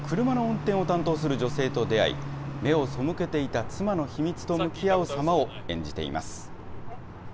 車の運転を担当する女性と出会い、目を背けていた妻の秘密と向き合うさまを演じています。